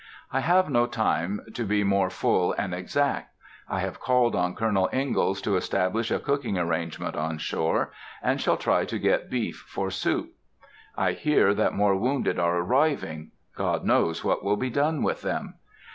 I have no time to be more full and exact. I have called on Colonel Ingalls to establish a cooking arrangement on shore, and shall try to get beef for soup. I hear that more wounded are arriving. God knows what will be done with them.